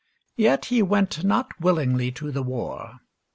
Yet he went not willingly to the war.